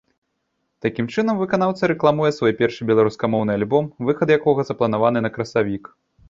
Такім чынам выканаўца рэкламуе свой першы беларускамоўны альбом, выхад якога запланаваны на красавік.